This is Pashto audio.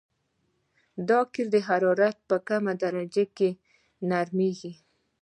دا قیر د حرارت په کمه درجه کې نرمیږي